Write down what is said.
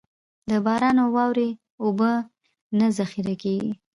د باران او واورې اوبه نه ذخېره کېږي.